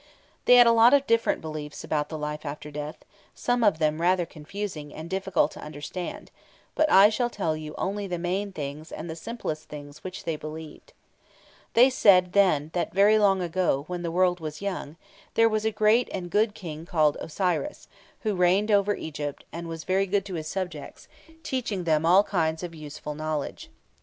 They had a lot of different beliefs about the life after death, some of them rather confusing, and difficult to understand; but I shall tell you only the main things and the simplest things which they believed. They said, then, that very long ago, when the world was young, there was a great and good King called Osiris, who reigned over Egypt, and was very good to his subjects, teaching them all kinds of useful knowledge.